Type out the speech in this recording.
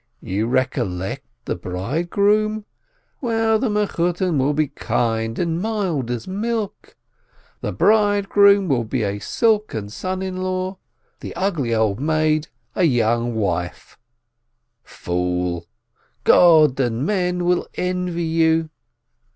You recollect the bridegroom ? Well, the Mechutton will be kind and mild as milk. The bridegroom will be a 'silken son in law/ the ugly old maid, a young wifei — fool ! God and men will envy you.